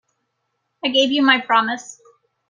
I gave you my promise.